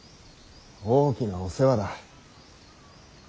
大きなお世話だ。